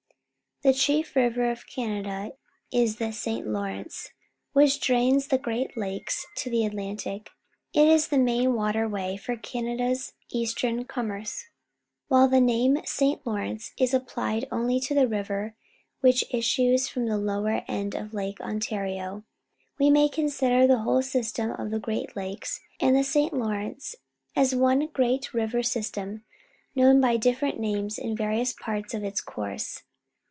The cliief river of Canada is the ^. Jjowren^e, which drains the Great Lakes to the Atlantic. It is the main waterway for Canada's eastern commerce. ^ATiile the name St. Lawrence is appUed only to the river which issues from the lower end of Lake Ontario, we maj' consider the whole sj stem of the Great Lakes and the St. Lawrence as one great river system, known by different names in various parts of its course.